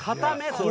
それ。